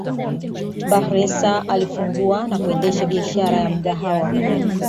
Bakhresa alifungua na kuendesha biashara ya Mgahawa